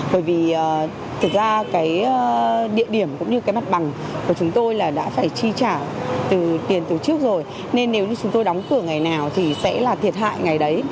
bởi vì thực ra cái địa điểm cũng như cái mặt bằng của chúng tôi là đã phải chi trả từ tiền từ trước rồi nên nếu như chúng tôi đóng cửa ngày nào thì sẽ là thiệt hại ngày đấy